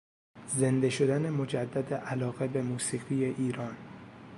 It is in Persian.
زنده شدن مجدد علاقه به موسیقی ایران